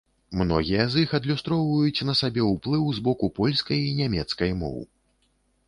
Многія з іх адлюстроўваюць на сабе ўплыў з боку польскай і нямецкай моў.